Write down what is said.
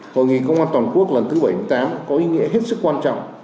hội nghị công an toàn quốc lần thứ bảy mươi tám có ý nghĩa hết sức quan trọng